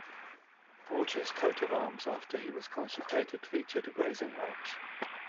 Borgia's coat of arms after he was consecrated featured a grazing ox.